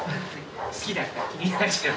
好きだった？